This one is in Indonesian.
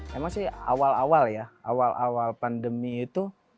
memang sih awal awal ya awal awal pandemi itu